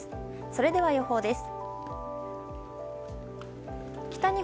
それでは、予報です。